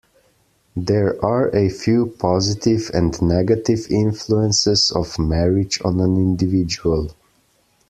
There are a few positive and negative influences of marriage on an individual.